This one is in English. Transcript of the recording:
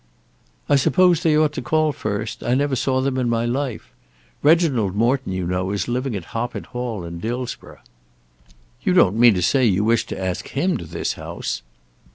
"I suppose they ought to call first. I never saw them in my life. Reginald Morton, you know, is living at Hoppet Hall in Dillsborough." "You don't mean to say you wish to ask him to this house?"